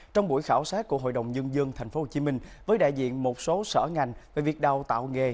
trong buổi khảo sát của hội đồng nhân dân tp hcm với đại diện một số sở ngành về việc đào tạo nghề